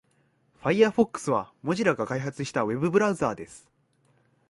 Firefox は Mozilla が開発したウェブブラウザーです。